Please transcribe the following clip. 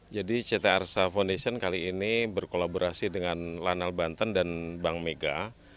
jadi ct arsa foundation kali ini berkolaborasi dengan lanal banten dan bank mega